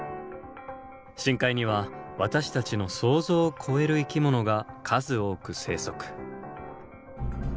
深海には私たちの想像を超える生き物が数多く生息。